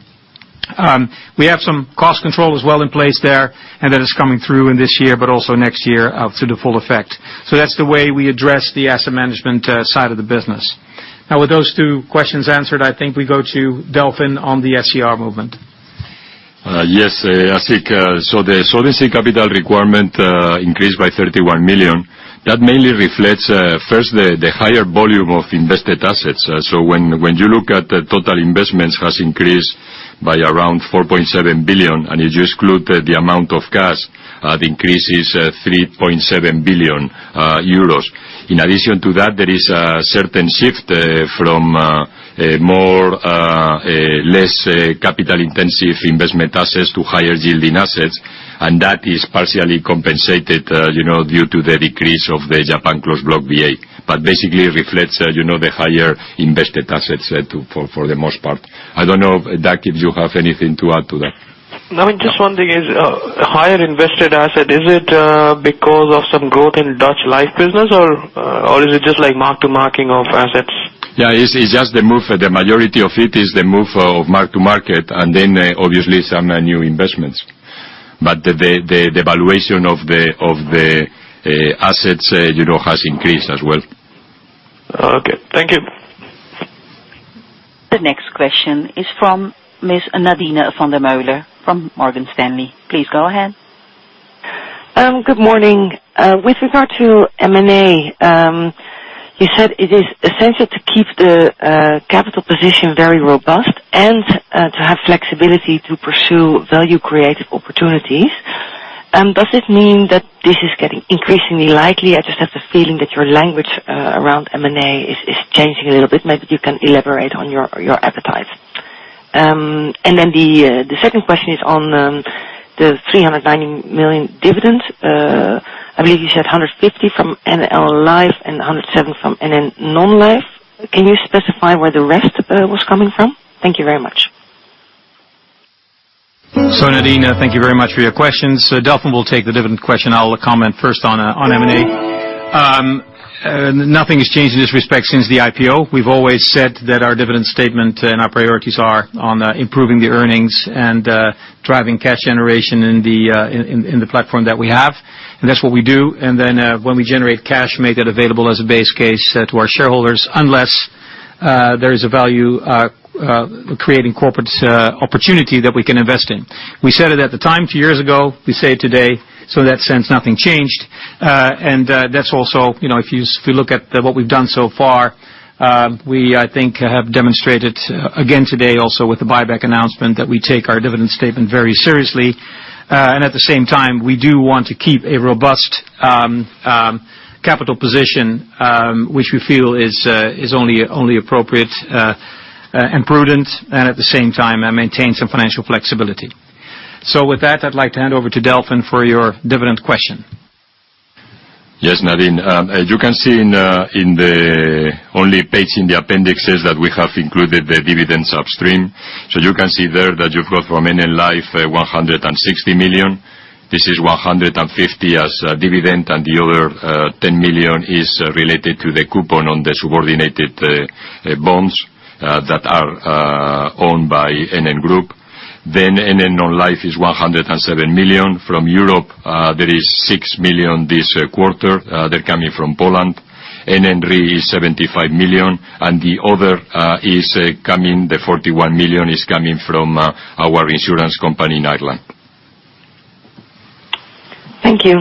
We have some cost control as well in place there, and that is coming through in this year but also next year to the full effect. That's the way we address the asset management side of the business. With those two questions answered, I think we go to Delfin on the SCR movement. Yes, Ashik. The solvency capital requirement increased by 31 million. That mainly reflects first the higher volume of invested assets. When you look at the total investments has increased by around 4.7 billion, and if you exclude the amount of cash, the increase is 3.7 billion euros. In addition to that, there is a certain shift from less capital-intensive investment assets to higher-yielding assets, and that is partially compensated due to the decrease of the Japan Closed Block VA. Basically reflects the higher invested assets for the most part. I don't know, David Knibbe, if you have anything to add to that. No, just one thing. Higher invested asset, is it because of some growth in Dutch Life business, or is it just like mark-to-marking of assets? Yeah, it's just the move. The majority of it is the move of mark-to-market and then obviously some new investments. The valuation of the assets has increased as well. Okay. Thank you. The next question is from Ms. Nadine van der Meulen from Morgan Stanley. Please go ahead. Good morning. With regard to M&A, you said it is essential to keep the capital position very robust and to have flexibility to pursue value-creative opportunities. Does it mean that this is getting increasingly likely? I just have the feeling that your language around M&A is changing a little bit. Maybe you can elaborate on your appetite. The second question is on the 390 million dividends. I believe you said 150 from NN Life and 107 from NN Non-life. Can you specify where the rest was coming from? Thank you very much. Nadine, thank you very much for your questions. Delfin will take the dividend question. I will comment first on M&A. Nothing has changed in this respect since the IPO. We've always said that our dividend statement and our priorities are on improving the earnings and driving cash generation in the platform that we have. That's what we do. When we generate cash, make that available as a base case to our shareholders, unless there is a value creating corporate opportunity that we can invest in. We said it at the time two years ago, we say it today, in that sense, nothing changed. That's also, if you look at what we've done so far, we, I think, have demonstrated again today also with the buyback announcement, that we take our dividend statement very seriously. At the same time, we do want to keep a robust capital position, which we feel is only appropriate and prudent, and at the same time, maintain some financial flexibility. With that, I'd like to hand over to Delfin for your dividend question. Yes, Nadine. As you can see in the only page in the appendix says that we have included the dividend upstream. You can see there that you've got from NN Life, 160 million. This is 150 million as dividend, and the other 10 million is related to the coupon on the subordinated bonds that are owned by NN Group. NN Non-life is 107 million. From Europe, there is 6 million this quarter. They're coming from Poland. NN Re is 75 million, and the other is coming, the 41 million, is coming from our insurance company in Ireland. Thank you.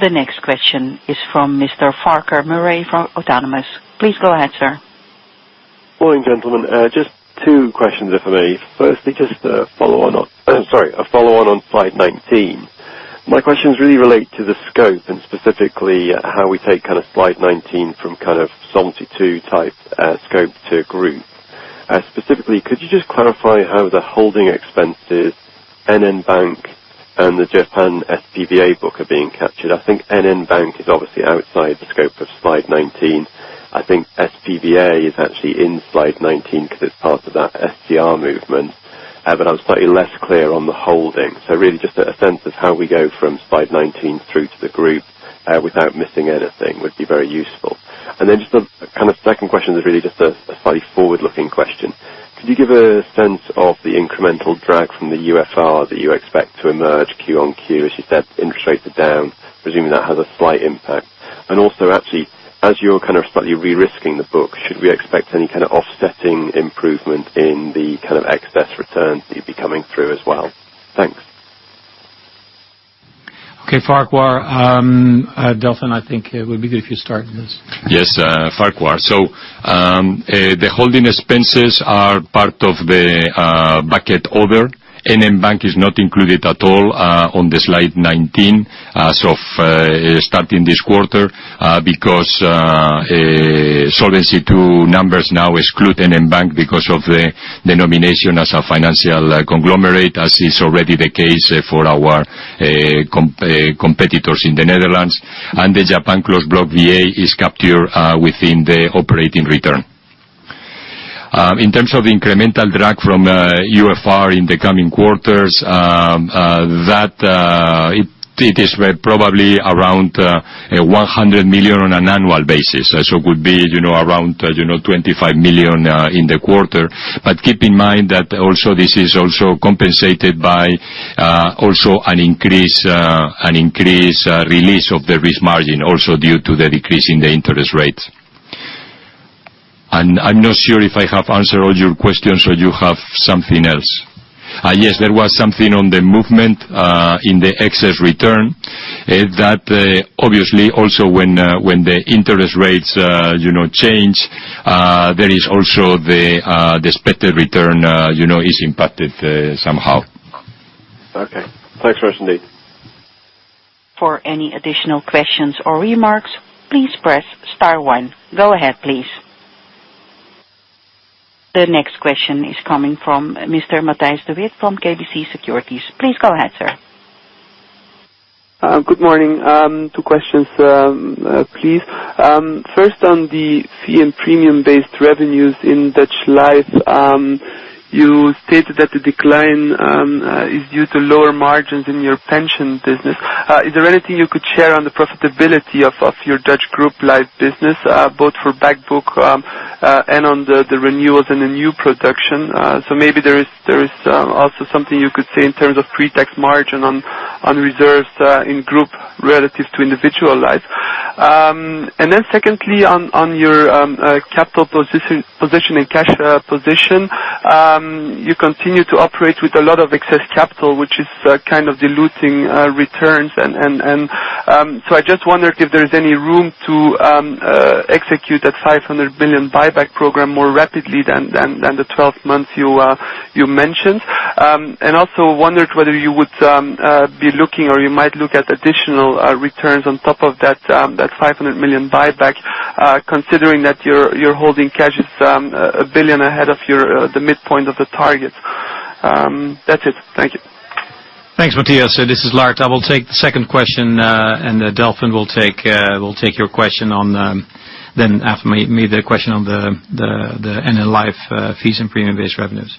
The next question is from Mr. Farquhar Murray from Autonomous. Please go ahead, sir. Morning, gentlemen. Two questions if I may. Firstly, just a follow on on slide 19. My questions really relate to the scope and specifically how we take slide 19 from Solvency II type scope to group. Specifically, could you just clarify how the holding expenses, NN Bank, and the Japan SPVA book are being captured? I think NN Bank is obviously outside the scope of slide 19. I think SPVA is actually in slide 19 because it's part of that SCR movement. I was slightly less clear on the holding. Really just a sense of how we go from slide 19 through to the group without missing anything would be very useful. A second question is really just a slightly forward-looking question. Could you give a sense of the incremental drag from the UFR that you expect to emerge Q on Q, as you said, interest rates are down, presuming that has a slight impact. Also actually, as you're slightly re-risking the book, should we expect any kind of offsetting improvement in the excess return to be coming through as well? Thanks. Okay. Farquhar, Delfin, I think it would be good if you start on this. Yes, Farquhar. The holding expenses are part of the bucket other. NN Bank is not included at all on the slide 19 as of starting this quarter, because Solvency II numbers now exclude NN Bank because of the denomination as a financial conglomerate, as is already the case for our competitors in the Netherlands. The Japan Closed Block VA is captured within the operating return. In terms of incremental drag from UFR in the coming quarters, it is probably around 100 million on an annual basis. It could be around 25 million in the quarter. Keep in mind that also this is also compensated by also an increase release of the risk margin, also due to the decrease in the interest rates. I'm not sure if I have answered all your questions or you have something else. Yes, there was something on the movement in the excess return. That obviously also when the interest rates change, there is also the expected return is impacted somehow. Okay. Thanks very much indeed. For any additional questions or remarks, please press star one. Go ahead, please. The next question is coming from Mr. Matthijs de Witte from KBC Securities. Please go ahead, sir. Good morning. Two questions, please. First on the fee and premium-based revenues in Dutch Life. You stated that the decline is due to lower margins in your pension business. Is there anything you could share on the profitability of your Dutch Group Life business, both for back book, and on the renewals and the new production? Maybe there is also something you could say in terms of pre-tax margin on reserves in group relative to individual life. Secondly, on your capital position and cash position. You continue to operate with a lot of excess capital, which is kind of diluting returns. I just wondered if there's any room to execute that 500 million buyback program more rapidly than the 12 months you mentioned. Also wondered whether you would be looking, or you might look at additional returns on top of that 500 million buyback considering that your holding cash is 1 billion ahead of the midpoint of the target. That's it. Thank you. Thanks, Matthijs. This is Lard. I will take the second question, and Delfin will take your question after me, the question on the NN Life fees and premium-based revenues.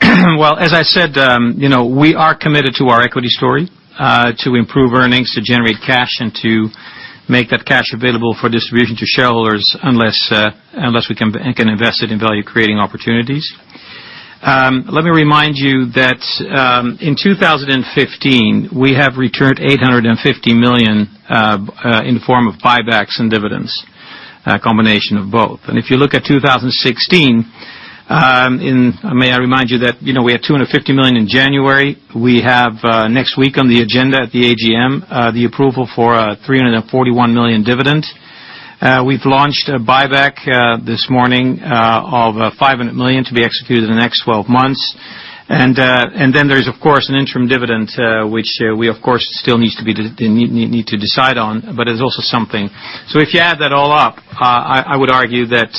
As I said, we are committed to our equity story, to improve earnings, to generate cash, and to make that cash available for distribution to shareholders unless we can invest it in value-creating opportunities. Let me remind you that in 2015, we have returned 850 million in form of buybacks and dividends, a combination of both. If you look at 2016, may I remind you that we had 250 million in January. We have, next week on the agenda at the AGM, the approval for 341 million dividend. We've launched a buyback this morning of 500 million to be executed in the next 12 months. There's, of course, an interim dividend, which we of course still need to decide on. It's also something. If you add that all up, I would argue that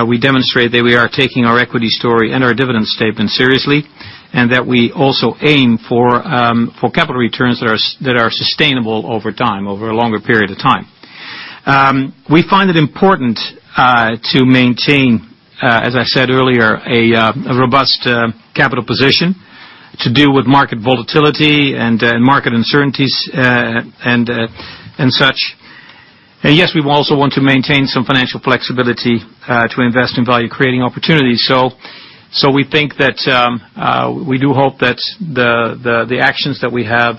we demonstrate that we are taking our equity story and our dividend statement seriously, and that we also aim for capital returns that are sustainable over time, over a longer period of time. We find it important to maintain, as I said earlier, a robust capital position to deal with market volatility and market uncertainties and such. Yes, we also want to maintain some financial flexibility to invest in value-creating opportunities. We do hope that the actions that we have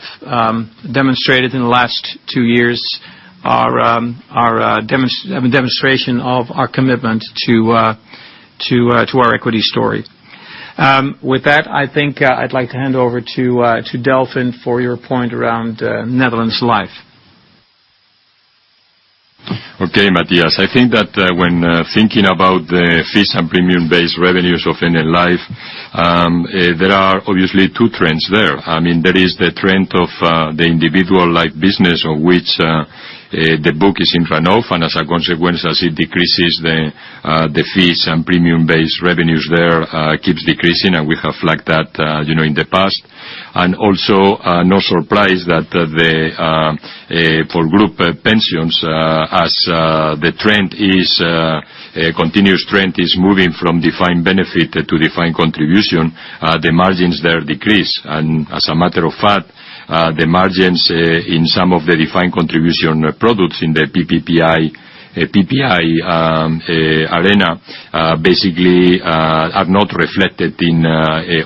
demonstrated in the last two years are a demonstration of our commitment to our equity story. With that, I think I'd like to hand over to Delfin for your point around Netherlands Life. Okay, Matthias. I think that when thinking about the fees and premium-based revenues of NN Life, there are obviously two trends there. There is the trend of the individual life business on which the book is in runoff, and as a consequence, as it decreases, the fees and premium-based revenues there keeps decreasing, and we have flagged that in the past. Also, no surprise that for group pensions, as the continuous trend is moving from defined benefit to defined contribution, the margins there decrease. As a matter of fact, the margins in some of the defined contribution products in the PPI arena basically are not reflected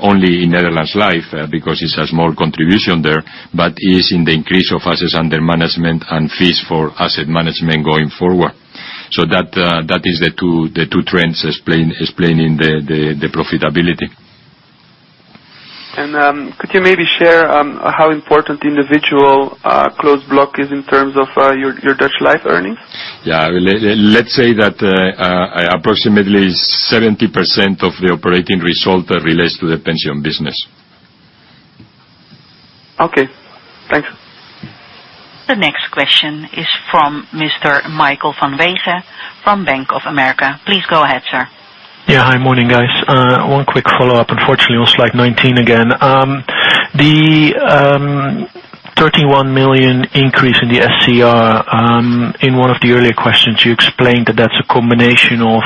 only in Netherlands Life because it has more contribution there, but is in the increase of assets under management and fees for asset management going forward. That is the two trends explaining the profitability. Could you maybe share how important individual closed block is in terms of your Dutch Life earnings? Let's say that approximately 70% of the operating result relates to the pension business. Thanks. The next question is from Mr. Michael van Wessel from Bank of America. Please go ahead, sir. Morning, guys. One quick follow-up, unfortunately, on slide 19 again. The 31 million increase in the SCR. In one of the earlier questions, you explained that that's a combination of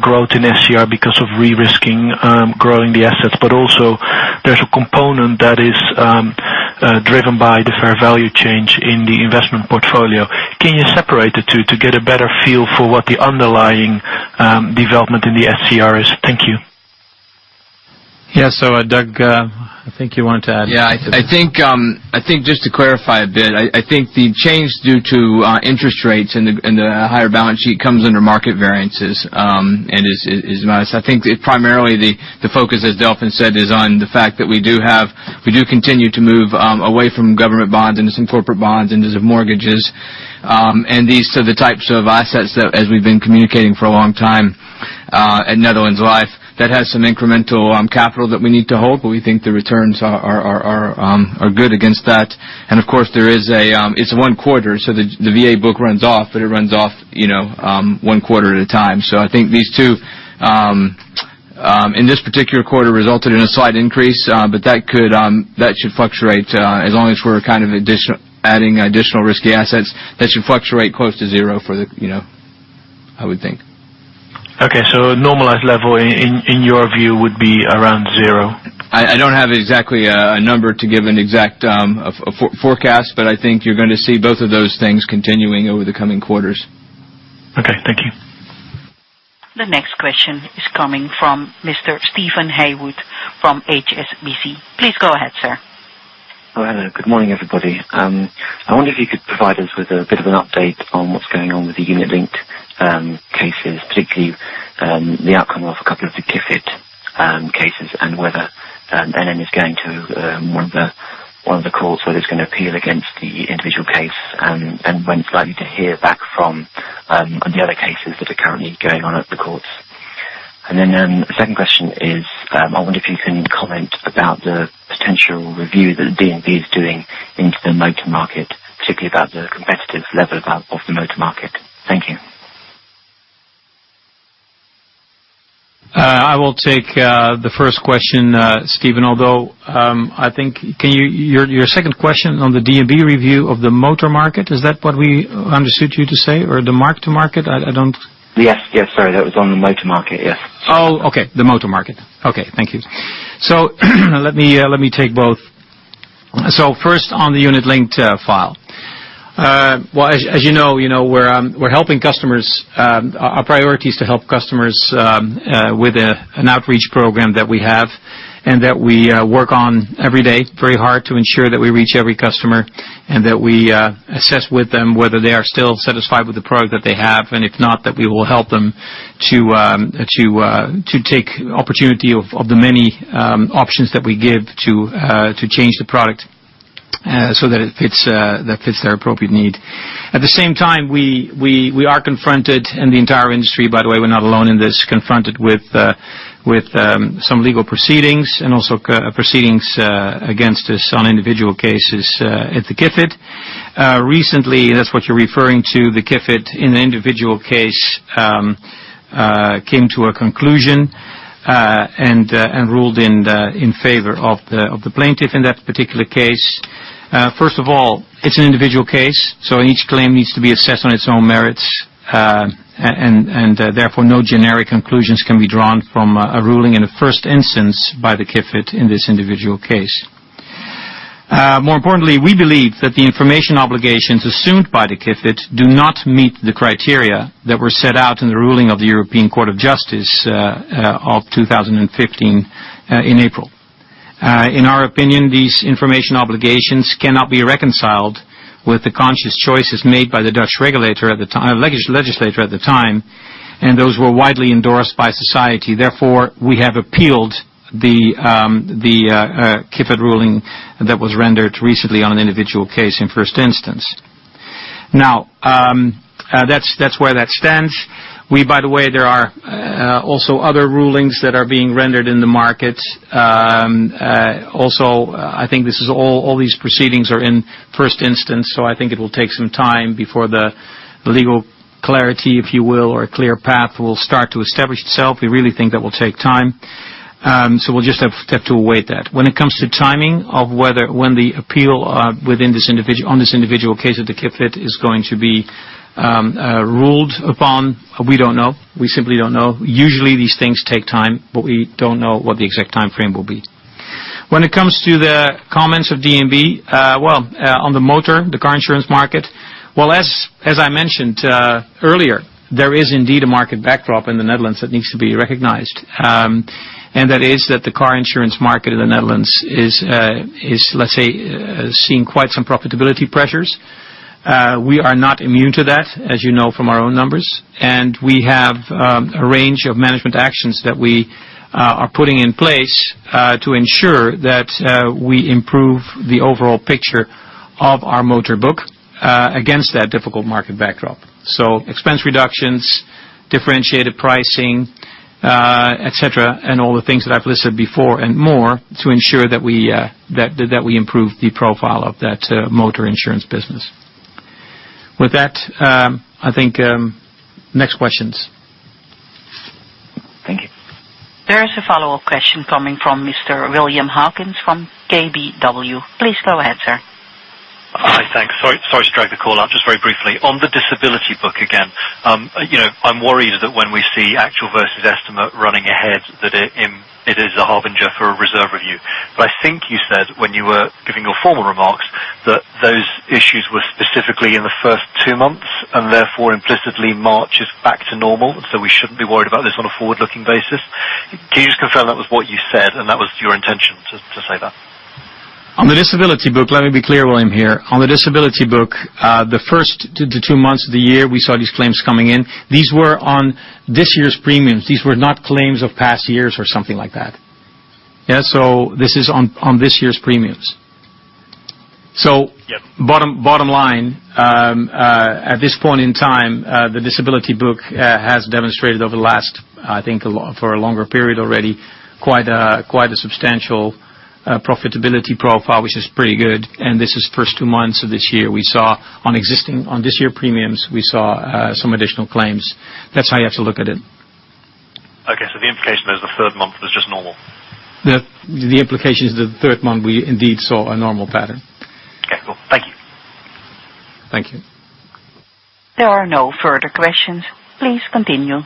growth in SCR because of re-risking, growing the assets, but also there's a component that is driven by the fair value change in the investment portfolio. Can you separate the two to get a better feel for what the underlying development in the SCR is? Thank you. Yeah. Doug, I think you wanted to add to that. Yeah, I think just to clarify a bit, I think the change due to interest rates and the higher balance sheet comes under market variances and is net. I think primarily the focus, as Delfin said, is on the fact that we do continue to move away from government bonds into some corporate bonds, into some mortgages. These are the types of assets that, as we've been communicating for a long time at Netherlands Life, that has some incremental capital that we need to hold, but we think the returns are good against that. Of course, it's one quarter, the VA book runs off, but it runs off one quarter at a time. I think these two, in this particular quarter, resulted in a slight increase, but that should fluctuate as long as we're adding additional risky assets, that should fluctuate close to zero, I would think. Okay. A normalized level in your view would be around zero? I don't have exactly a number to give an exact forecast, but I think you're going to see both of those things continuing over the coming quarters. Okay. Thank you. The next question is coming from Mr. Steven Haywood from HSBC. Please go ahead, sir. Oh, hello. Good morning, everybody. I wonder if you could provide us with a bit of an update on what's going on with the unit-linked cases, particularly the outcome of a couple of the Kifid cases and whether NN is going to one of the courts or is going to appeal against the individual case, and when it's likely to hear back from the other cases that are currently going on at the courts. The second question is, I wonder if you can comment about the potential review that the DNB is doing into the motor market, particularly about the competitive level of the motor market. Thank you. I will take the first question, Steven, although I think your second question on the DNB review of the motor market, is that what we understood you to say or the mark to market? Yes. Sorry. That was on the motor market, yes. Okay. The motor market. Okay, thank you. Let me take both. First on the unit-linked file. Well, as you know, our priority is to help customers with an outreach program that we have and that we work on every day very hard to ensure that we reach every customer and that we assess with them whether they are still satisfied with the product that they have, and if not, that we will help them to take opportunity of the many options that we give to change the product so that it fits their appropriate need. At the same time, we are confronted, and the entire industry, by the way, we're not alone in this, confronted with some legal proceedings and also proceedings against us on individual cases at the Kifid. Recently, that's what you're referring to, the Kifid in an individual case came to a conclusion, and ruled in favor of the plaintiff in that particular case. First of all, it's an individual case, so each claim needs to be assessed on its own merits. Therefore, no generic conclusions can be drawn from a ruling in a first instance by the Kifid in this individual case. More importantly, we believe that the information obligations assumed by the Kifid do not meet the criteria that were set out in the ruling of the European Court of Justice of 2015, in April. In our opinion, these information obligations cannot be reconciled with the conscious choices made by the Dutch legislator at the time, and those were widely endorsed by society. Therefore, we have appealed the Kifid ruling that was rendered recently on an individual case in first instance. That's where that stands. By the way, there are also other rulings that are being rendered in the market. I think all these proceedings are in first instance, it will take some time before the legal clarity, if you will, or a clear path will start to establish itself. We really think that will take time. We'll just have to wait that. When it comes to timing of when the appeal on this individual case of the Kifid is going to be ruled upon, we don't know. We simply don't know. Usually, these things take time, we don't know what the exact timeframe will be. When it comes to the comments of DNB, on the motor, the car insurance market, as I mentioned earlier, there is indeed a market backdrop in the Netherlands that needs to be recognized. That is that the car insurance market in the Netherlands is, let's say, seeing quite some profitability pressures. We are not immune to that, as you know from our own numbers. We have a range of management actions that we are putting in place to ensure that we improve the overall picture of our motor book against that difficult market backdrop. Expense reductions, differentiated pricing, et cetera, and all the things that I've listed before and more to ensure that we improve the profile of that motor insurance business. With that, I think, next questions. Thank you. There is a follow-up question coming from Mr. William Hawkins from KBW. Please go ahead, sir. Hi. Thanks. Sorry to drag the call out. Just very briefly, on the disability book again, I'm worried that when we see actual versus estimate running ahead, that it is a harbinger for a reserve review. I think you said when you were giving your formal remarks that those issues were specifically in the first two months, and therefore implicitly March is back to normal, we shouldn't be worried about this on a forward-looking basis. Can you just confirm that was what you said and that was your intention to say that? On the disability book, let me be clear, William, here. On the disability book, the first two months of the year, we saw these claims coming in. These were on this year's premiums. These were not claims of past years or something like that. This is on this year's premiums. Yep. Bottom line, at this point in time, the disability book has demonstrated over the last, I think for a longer period already, quite a substantial profitability profile, which is pretty good, and this is the first two months of this year. On this year's premiums, we saw some additional claims. That's how you have to look at it. The implication is the third month was just normal. The implication is the third month we indeed saw a normal pattern. Okay, cool. Thank you. Thank you. There are no further questions. Please continue.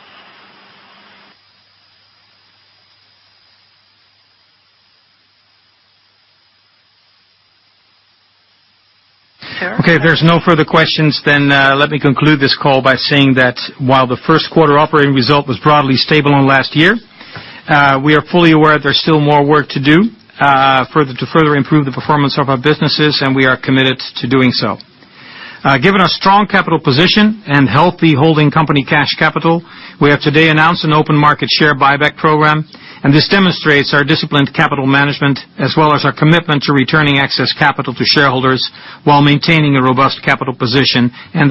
Sir? Okay, if there's no further questions, then let me conclude this call by saying that while the first quarter operating result was broadly stable on last year, we are fully aware there's still more work to do to further improve the performance of our businesses, and we are committed to doing so. Given our strong capital position and healthy holding company cash capital, we have today announced an open market share buyback program, and this demonstrates our disciplined capital management as well as our commitment to returning excess capital to shareholders while maintaining a robust capital position and the.